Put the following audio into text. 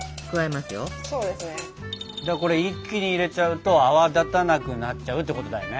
これ一気に入れちゃうと泡立たなくなっちゃうってことだよね。